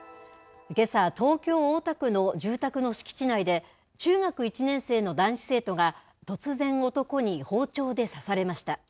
けさ、東京・大田区の住宅の敷地内で、中学１年生の男子生徒が突然、男に包丁で刺されました。